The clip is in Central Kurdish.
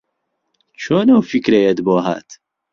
چۆن ئەو فکرەیەت بۆ ھات؟